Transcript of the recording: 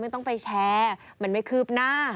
ต้องไปแชร์มันไม่คืบหน้า